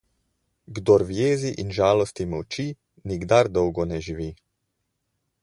Kdor v jezi in žalosti molči, nikdar dolgo ne živi.